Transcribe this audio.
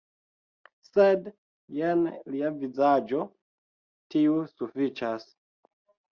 Sed jen lia vizaĝo - tiu sufiĉas